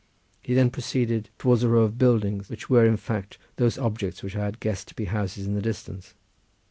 He then proceeded towards a row of buildings, which were in fact those objects which I had guessed to be houses in the distance.